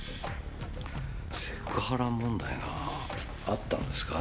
セクハラ問題があったんですか？